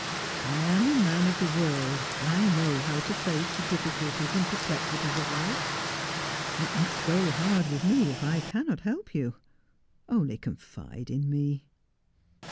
I am a man of the world ; 1 know how to face the difficulties and perplexities of life. It must go hard with me if I cannot help you. Only confide in me.'